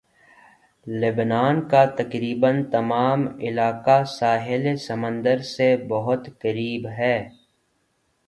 لبنان کا تقریباً تمام علاقہ ساحل سمندر سے بہت قریب ہے